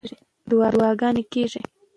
دعاګانې کېږي.